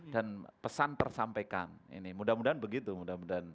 dan pesan tersampaikan ini mudah mudahan begitu mudah mudahan